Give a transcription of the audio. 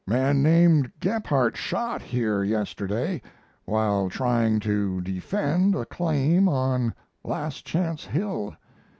Man named Gebhart shot here yesterday while trying to defend a claim on Last Chance Hill.